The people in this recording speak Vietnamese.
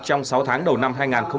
trong sáu tháng đầu năm hai nghìn hai mươi